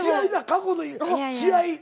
過去の試合。